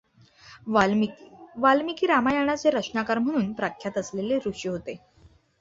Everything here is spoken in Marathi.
वाल्मीकि वाल्मीकि रामायणाचे रचनाकार म्हणून प्रख्यात असलेले ऋषी होते.